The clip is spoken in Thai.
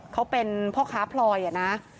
เขาเป็นพ่อค้าพลอยอะนะ